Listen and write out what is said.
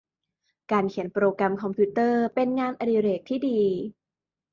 การเขียนโปรแกรมคอมพิวเตอร์ เป็นงานอดิเรกที่ดี